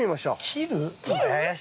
切る？